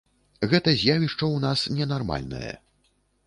Гэта з'явішча ў нас ненармальнае.